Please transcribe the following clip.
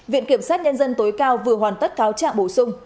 viện kiểm sát nhân dân tối cao vừa hoàn tất cáo trạng bổ sung